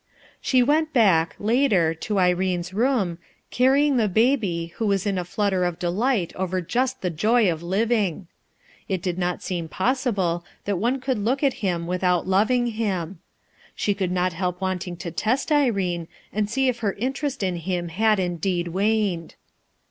She went back, later, to Irene's room, carrying the baby who was in a flutter of delight over just the joy of living. It did not seem possible that one could look at him without loving him. She could not help wanting to test Irene and see if her interest in him had indeed waned.